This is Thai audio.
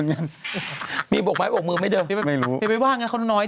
ใช่ที่แบบรถไม่มีใครวิ่งเลย